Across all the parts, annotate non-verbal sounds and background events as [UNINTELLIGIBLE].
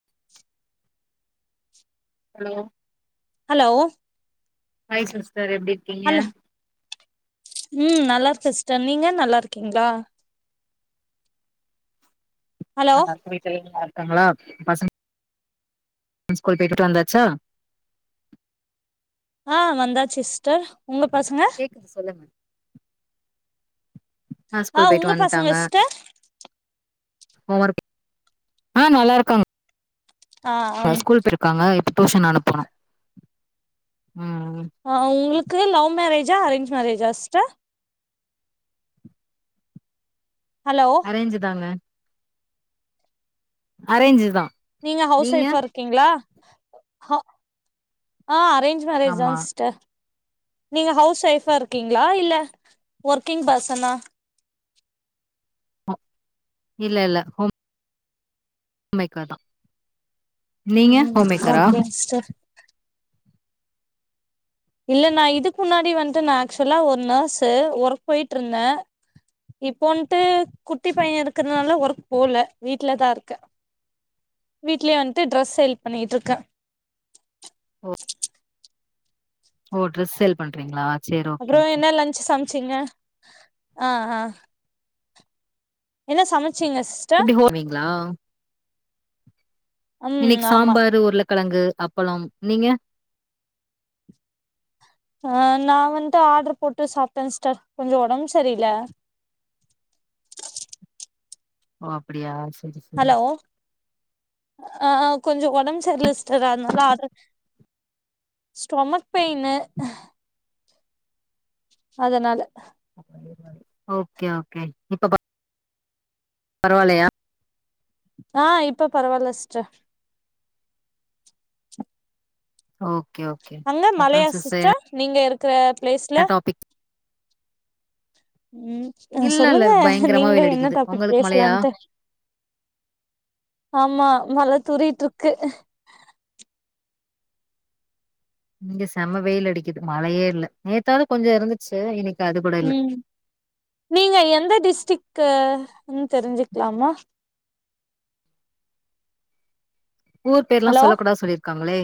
[INAUDIBLE] சொல்லுங்க hello hi sister எப்டி இருக்கீங்க ஹலோ ம் நல்லாருக்க சிஸ்டர் நீங்க நல்லா இருக்கீங்ளா ஹலோ நல்லாருக்கே வீட்ல எல்லா நல்லாருக்காங்ளா பச [INAUDIBLE] ஸ்கூல் போய்ட்டு வந்தாச்சா ஆ வந்தாச்சு சிஸ்டர் உங்க பசங்க சொல்லுங்க அ ஆ ஸ்கூல் போயிட்டு உங்க பசங்க வன்ட்டாங்க சிஸ்டர் [UNINTELLIGIBLE] ஆ நல்லாருக்காங் ஆ ங்க ஸ்கூல் போய்ருக்காங்க இப்ப டியுஷன் அனுப்பனு ம் ஆ உங்களுக்கு லவ் மேரேஜா அரேஞ்ச் மேரேஜா சிஸ்டர் ஹலோ அரேஞ்சு தாங்க அரேஞ்சு தா நீங்க ஹவுஸ் ஒய்ஃபா இருக்கீங்களா ஹ ஆ அரே ஜ் மேரேஜ் ஆமா தாங் சிஸ்டர் நீங்க ஹவுஸ் ஒய்ஃபா இருக்கீங்ளா இல்ல ஒர்க்கிங் பசனா [INAUDIBLE] இல்ல இல்ல ஹோம் மேக்கர் தா நீங்க ஹோம்மேக்கரா ஸ்டர் இல்ல நா இதுக்கு முன்னாடி வன்ட்டு நா ஆக்சுவலா ஒரு நஸ்ஸு ஒர்க் போயிட்ருந்தே இப்போன்ட்டு குட்டி பைய இருக்கறனால ஒர்க் போல வீட்லதா இருக்க வீட்லயே வன்ட்டு ட்ரெஸ் சேல் பண்ணிட்ருக்கே ஓ ஓ ட்ரெஸ் சேல் பண்றிங்ளா அப்றோ என்ன லன்ஞ்ச்சு சமச்சிங்க ஆ ஆ என்ன சமச்சிங்க சிஸ் ப்டி போவீங்ளா ம் இன்னைக்கு ஆமா சாம்பாரு உருளக்கெழங்கு அப்பளம் நீங்க ஆ நா வன்ட்டு ஆர்ட்ரு போட்டு சாப்ட்டே சிஸ்டர் கொஞ்சோ ஓடம் சரில ஓ அப்டியா சரி ஹலோ ஆ கொஞ்ச ஒடம்பு சரில சிஸ்டர் அதனால ஆர்டர் ஸ்டொமக் பெயினு அதனால ஓகே ஓகே இப்ப பா பரவாலயா ஆ இப்ப பரவால்ல சிஸ்டர் ஓகே ஓ அங்க மழயா சிஸ்டர் நீங்க இருக்கிற பிளேஸ்ல டாபிக் ம் இல்ல இல்ல சொல்லுங்க பயங்கரமா நீங்க வெயில் என்ன அடிக்குது டாபிக் உங்களுக்கு மழையா பேசலாம்ட்டு ஆமா மழ தூறிட்ருக்கு இங்க செம்ம வெயில் அடிக்குது மழயே இல்ல நேத்தாவது கொஞ்ச இருந்துச்சு இன்னைக்கு அது கூட இல்ல ம் நீங்க எந்த டிஸ்டிக்ன்னு தெரிஞ்சுக்கலாமா ஊர் பேர்லா ஹலோ சொல்லக்கூடாது சொல்லிருக்காங்ளே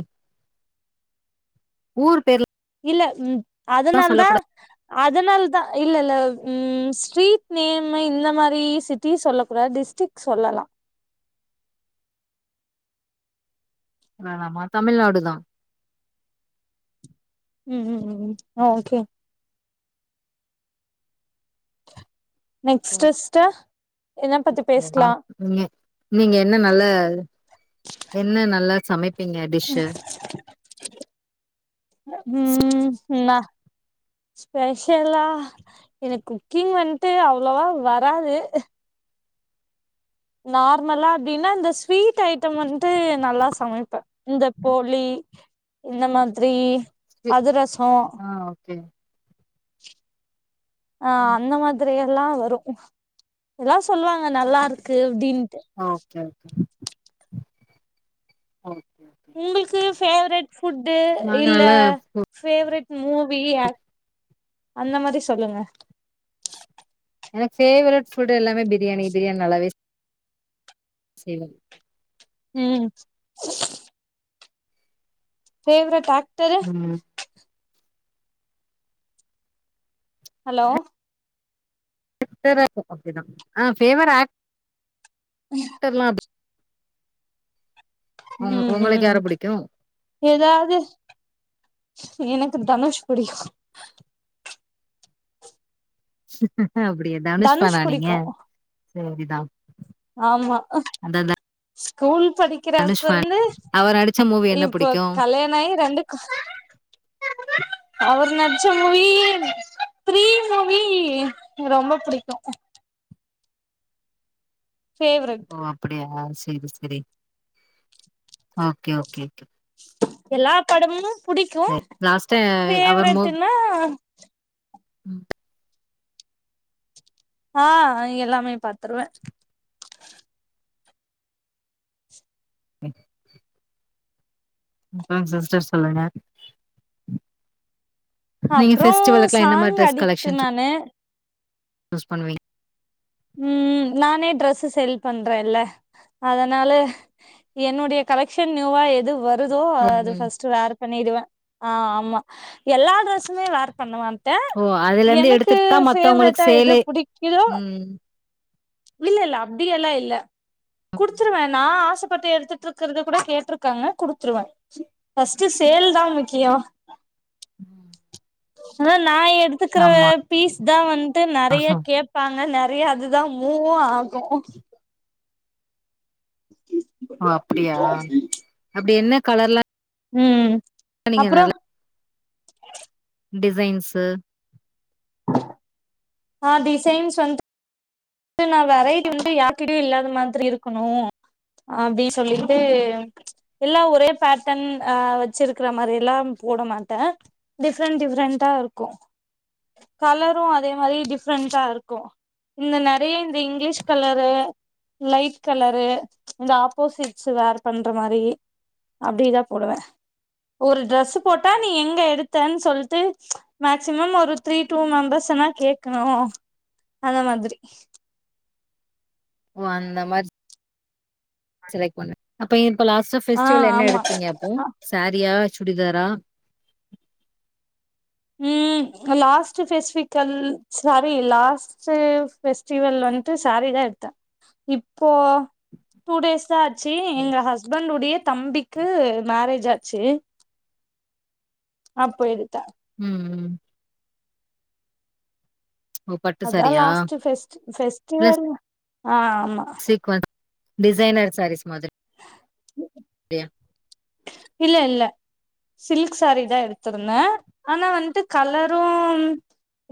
ஊர் பேர்ல இல்ல ம் அதனால தா அதனால தா இல்ல இல்ல ம் ஸ்ட்ரீட் நேம்மு இந்த மாரி சிட்டி சொல்ல கூடாது டிஸ்டிக் சொல்லல நா நா மா தமிழ்நாடு தா ம் ம் ம் ஓகே நெக்ஸ்ட் சிஸ்டர் என்ன பத்தி அ பேசலா நீங்க நீங்க என்ன நல்ல என்ன நல்லா சமை ம் நா ஸ்பெஷலா எனக்கு குக்கிங் வந்துட்டு அவ்வளோவா வராது நார்மலா அப்டின்னா இந்த ஸ்வீட் ஐட்டம் வந்துட்டு நல்லா சமைப்பே இந்த போலி இந்த மாதிரி ஸ்வீ அதிரசோ ஆ ஓகே ஆ ம் அந்த மாதி ரி எல்லா வரு எல்லாமே சொல்லுவாங்க நல்லா இருக்கு அப்படின்ட்டு ஓகே ஓகே ஓகே உங்களுக்கு ஃபேவரட் ஃபுட்டு நாங்க இல்ல நல்லா ஃபேவரட் மூவி ஆக்ட் அந்த மாரி சொல்லுங்க எனக்கு ஃபேவரெட் ஃபுட் எல்லாமே பிரியாணி பிரியாணி நல்லாவே செய்வ ம் ஃபேவரட் ஆக்டரு ம் ஹலோ அப்படி தா ஃபேவரட் ஆக்டர் லா அப்டி [INAUDIBLE] உங் ம் உங்களுக்கு ம் யார புடிக்கு எதாது எனக்கு தனுஷ் பிடிக்கு அப்டியா தனுஷ் ஃபேனா நீங்க சரிதா ஆமா அந்த த- ஸ்கூல் படி கக்கிற அப்ப தனுஷ் ஃபேன் இருந்து அவர் நடிச்ச மூவி என்ன இப்போ புடிக்கு கல்யாண ஆகி ரெண்டு அவர் நடிச்ச மூவி ஃப்ரீ மூவி ரொம்ப புடிக்கு பேவரட் ஓ அப்டியா சரி சரி ஓகே கே எல்லா படமும் புடிக்கும் லாஸ்ட்டா ஃபேவரட்னா ம் ஆ எல்லாமே பாத்துருவ ம் அ சிஸ்டர் சொல்லுங்க நீங்க அப்றோ ஃபெஸ்டிவலுக்குல்லா என்ன சாங் மாதிரி ட்ரெஸ் அடிக்ட் கலெகஷன்ஸ் நானு சுஷ் பண்ணுவிங்க ம் நானே ட்ரெஸ் செல் பண்றன்ல்ல அதனால என்னுடைய கலெக்ஷன் நியூவா எது வரு தோ அத ம் ஃபர்ஸ்ட் வியர் பண்ணிடுவ ஆ ஆமா எல்லா டிரரெஸமே வியர் பண்ணுவ ஓ அதுல இருந்து எனக்கு எடுத்துட்டு தா மத்தவங்களுக்கு ஃபேவரட்டா எது சேலே புடிக்குதோ ம் இல்ல இல்ல அப்டி எல்லா இல்ல குடுத்துடுவ நா ஆசைப்பட்டு எடுத்துட்டு இருக்க இருக்கற கூட கேட்டிருக்காங்க குடுத்துருவ ஃபர்ஸ்ட் சேல் தா முக்கிய ம் ஆனா நா எடுத்துக்கிற பீஸ் தா வந்துட்டு நெறைய கே ட்ப்பாங்க நெறைய அதுதா மூவும் ஆகு [INAUDIBLE] ஓ அப்டியா அப்டி என்ன கலர்லா ம் நீங்க அப்றோ நல்லா டிசைன்ஸு ஆ டிசைன் வந்து இ நா வெரைட்டி வந்து யாருகிட்டயு இல்லாத மாதிரி இருக்கணும் அப்டி சொல்லிட்டு எல்லா ஒரே பேட்டன் ஆ வச்சிருக்கிற மாதிரி எல்லா போட மாட்ட டிஃப்ரெண்ட் டிஃப்ரெண்ட்டா இருக்கும் கலரும் அதே மாதிரி டிஃப்ரெண்ட்டா இருக்கும் இந்த நெறைய இந்த இங்கிலீஷ் கலரு லைட் கலரு இந்த ஆப்போசிட்ஸ் வேர் பண்ற மாதிரி அப்டிதா போடுவ ஒரு ட்ரெஸ் போட்டா நீ எங்க எடுத்து ன்னு சொல்லிட்டு மேக்சிமம் ஒரு த்ரீ டூ மெம்பர்ஸ்னா கேட்கணு அந்த மாதிரி ஓ அந்த மாதிரி செலக்ட் பண்ண அப்ப இப்ப லாஸ்ட்டா ஆ ஃபஸ்டிவல் என்ன ஆமா எடுத்தீங்க அப்போ அ சாரியா சுடிதாரா ம் லாஸ்ட் ஃபெசிஃபிகல் சாரி லாஸ்ட் செ பெஸ்டவல் வந்துன்டு சாரிதா எடுத்த இப்போ டூ டேஸ் ஆச்சு எங்க ஹஸ்பண்ட உடைய தம்பிக்கு மேரேஜ் ஆச்சு அப்போ எடுத்த ம் ம் ஓ! பட்டு அதா சாரியா? லாஸ்ட் ஸ ஃபெஸ்டிவல் ஆ ஆமா சீக்வன்ஸ் டிசைனர் சாரீஸ் மாதிரி இல்ல இல்ல சில்க் சாரி தா எடுத்திருந்த ஆனா வந்துட்டு கலரும்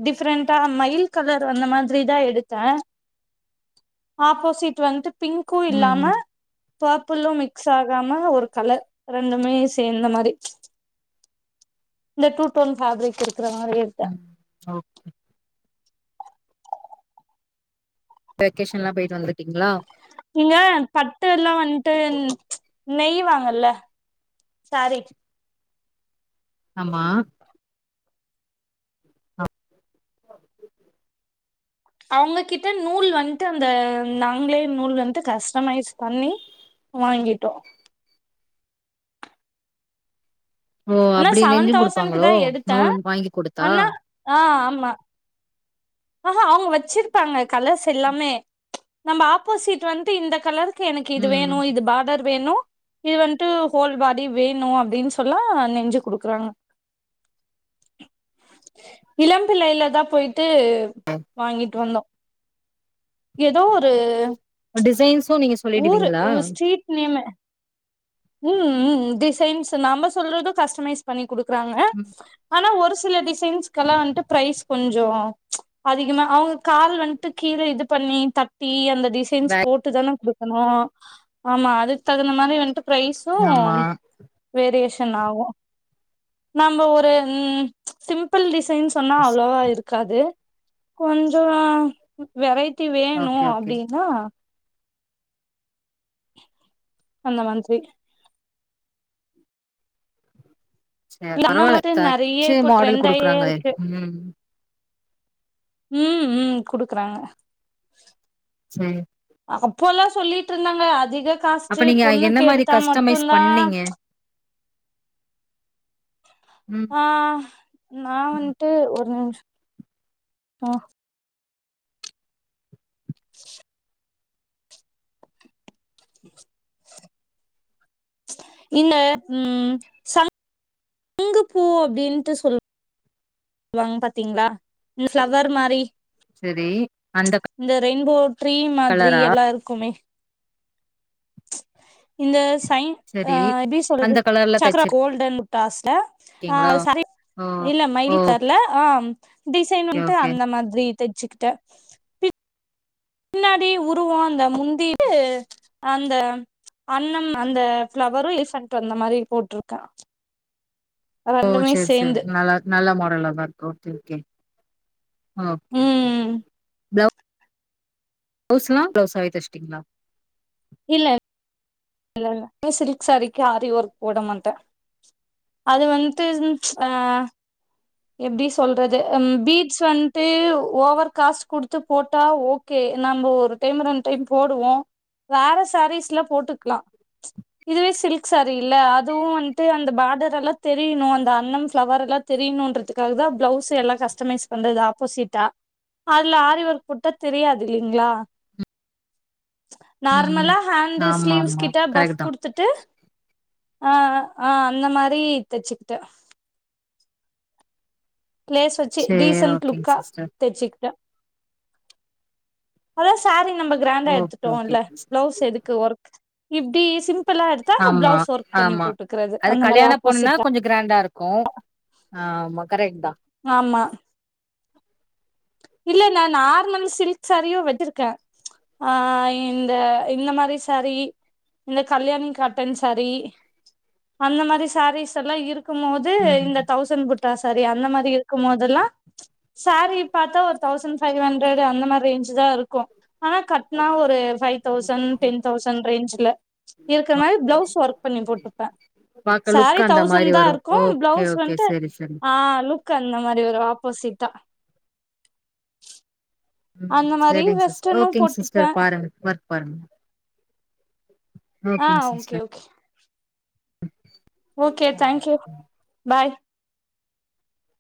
டிஃப்ரெண்ட்டா மயில் கலர் அந்த மாதிரி தா எடுத்த ஆப்போசிட் வன்ட்டு பிங்க்கு ம், இல்லாம ம், பர்புள்ளு மிக்ஸ் ஆகாம ஒரு கலர் ரெண்டுமே சேந்த மாரி இந்த டூ டோன் ஃபேப்ரிக் இருக்கற மாரி [UNINTELLIGIBLE] ம் ஓ வெக்கேஷன்லா போயிட்டு வந்துட்டுடிங்களா நீங்க பட்டு எல்லா வன்ட்டு நெய்வாங்கல்ல சேரி ஆமா அவுங்ககிட்ட நூல் வன்ட்டு அந்த நாங்களே நூல் வன்ட்டு கஸ்ட்மைஸ் பண்ணீ வாங்கிட்டோ ஓ! அனா அப்படி சவன் நெஞ்சும் தௌசணுக்கு குடுப்பாங்களோ? தா எடுத்த நூல் வாங்கி குடுத்தா? அனா ஆ ஆமா ஆஹா அவுங்க வெச்சிருப்பாங்க கலர்ஸ் எல்லாமே நம்ம ஆப்போசிட் வன்ட்டு இந்த கலர் க்கு எனக்கு இது ம், வேணு ம். இது பாடர் வேணு நீ வன்ட்டு ஹோல் பாடி வேணு அப்டின் சொல்லா நெஞ்சு குடுக்குறாங்க இளம்பிள்ளைையில தா போயிட்டு வாங்கிட் வந்தோ எதோ ஒரு டிசைன்ஸ்ஸு நீங்க சொ ஊரு ஒவொரு ஸ்ட்ரீட் நேம்மு ம்ம் டிசைன்ஸ்ஸு நம்ம சொல்றது கஸ்டமைஸ் பண்ணி குடுக்கறாங்க ம் அனா ஒரு சில டிசைன்ஸ்க்குகல்லா வன்ட்டு ப்ரைஸ் கொஞ்சோ அதிகோ தா அவங்க கால் வன்ட்டு கீழ இது பண்ணீ தட்டி அந்த டிசைன்ஸ் வே போட்டு தான குடுக்கணு ஆமா அதுக் தகுந்த மாரி வன்ட்டு பிரைஸு ஆமா. வேரியேஷன் ஆவூ நம்ம ஒரு ம் சிம்பிள்டிசைன் சொன்னா அவ்ளோவா இருக்காது கொஞ்சோ வ் வெரைட்டி வேணு ஓகே, ஓகே. அப்டின்னா அந்த மன்த் [UNINTELLIGIBLE] சரி பரவால்ல. [INAUDIBLE] நறைய தச்சு இப்போ மாடல் ட்ரெண்ட் ஆயே குடுக்குறாங்களே! இருக்கு ம். ம் ம் குடுக்கறாங்க [UNINTELLIGIBLE] அப்போல்லா சொல்லிட்ருந்தாங்க அதிக அப்ப காஸ்ட்டு நீங்க என்ன பொண்ணுக்கு மாரி எடுத்தா கஸ்டமைஸ் மட்டுந்தா பண்ணீங்க? ம் ஆ நா வன்ட்டு ஒரு நிம் ஸ் ஆ எடுத்து பேசுங்க இன்ன ம் ச ங்கு பூ அப்டின்ட்டு சொல் வாங் பாத்திங்ளா [INAUDIBLE] பிளவர் மாரி செரி அந்த இந்த ரெயின்போ ட்ரீ மாதிரி கலரா எல்லா இருக்குமே இந்த சை ஆ செரி எப்டி சொல்றது அந்த கலர்ல [INAUDIBLE] கோல்டன் முட்டாஸ்ல ஆ தச்சிருக்கீங்களா ஓ [INAUDIBLE] இல்ல மயில் ஓகே கலர்ல ஆ டிசைன் வன்ட்டு ஓகே அந்த மாதிரி தெச்சுக்கிட்ட முன்னாடி உருவோ அந்த [INAUDIBLE] அந்த அன்னம் அந்த ஃப்ளவரு இசன்ட் அந்த மாரி போட்ருக்க ஓ சேர் சேர் நல்லா நல்ல மாடலாதா இருக்கு okay okay okay okay okay ம் வுஸ்ஸலா பிளவுஸாவே தெஸ்டிங்களா இல்ல [UNINTELLIGIBLE] சேரிக்கு ஆரி ஒர்க் போட மாட்ட அது வன்ட்டு ஆ எப்டி சொல்றது பீட்ஸ்சு வன்ட்டு ஓவர் காஸ்ட் கொடுத்து போட்டா ஒ ஓகே நம்ம ஒரு டைம் ரெண்டு டைம் போடுவோ வேற சேரீஸ்லா போட்டுக்லா இதுவே சில்க் சாரி இல்ல அதுவு வன்ட்டு அந்த பாடர் எல்லா தெரியணு அந்த அன்னம் ஃப்ளவர் எல்லா தெரியணுன்றதுக்காக தா பிளவுஸ் எல்லா கஸ்டமைஸ் பண்றது ஆப்போசிட்டா அதுல ஆரிஓர்க் போட்ட தெரியாது இல்லிங்களா ம் ம் நார்மலா ஹேண்ட் ஆமா ஸ்லீவ்ஸ் ஆமா கிட்ட பஃப் கரெக்ட் தா குடுத் த்துட்டு ஆ ஆ அந்த மாரி தச்சுக்கிட்ட ஃளேஸ் வச்சு சேரி டீசன்ட் ஓகேங்க லுக்கா சிஸ்டர் தச்சுக்கிட்டே அதா சேரீ நம்ம கிராண்டா ஓகே ஓகே எடுத்துட்டோஇல்ல சிஸ்டர் பிளவுஸ் எதுக் கு ஒர்க் இப்டி சிம்பிளா எடுத்தா ஆமா பிளவுஸ் ஒர்க் பண்ணி ஆமா போட்டுக்கிறது அது அந்த மாரி கல்யாண பொண்ணுன்னா ஆப்போசிட்டா கொஞ்சோ கிராண்டா இருக்கு ஆமா கரேக்ட் தா ஆமா இல்ல நா நார்மல் சில்க் சாரியு வெச்சிருக்கே ஆ இந்த இந்த மாரி சேரீ இந்த கல்யாணி காட்டன் சாரீ அந்த மாரி சாரீஸ் எல்லா இருக் க்கும்மோது ம் இந்த தௌசண்ட் புட்டா ஸேரி அந்த மாரி இருக்கும் மொதெல்லா ஸேரி பாத்தா ஒரு தௌசண்ட் ஃபைவ் ஹண்ட்ரட் அந்த மாரி ரேஞ்ச் தா இருக்கு ஆனா கட்னா ஒரு ஃபை தௌசண் டென் தௌசண் ரேஞ்ச்ல இருக்கற மாரி பிளவுஸ் ஒர்க் பண்ணி போட்டுப்ப பாக்க லுக் சாரி அந்த தௌசண் மாரி தா வரு இருக்கு ஓகே பிளவுஸ் ஓகே வந்துட்டு செரி செரி ஆ லுக் க்கு அந்த மாரி வரு ஆப்போசிட்டா ம் அந்த மாரி செரிங்க சிஸ் வெஸ்டர்னு ஓகேங்க போட்டுப்பே சிஸ்டர் பாருங்க ஒர்க் பாருங்க ஆ ஓகேங் okay sister okay okay thank you bye